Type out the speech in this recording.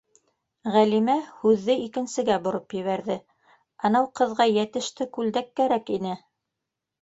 - Ғәлимә һүҙҙе икенсегә бороп ебәрҙе: - Анау ҡыҙға йәтеште күлдәк кәрәк ине.